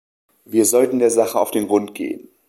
Wir sollten der Sache auf den Grund gehen.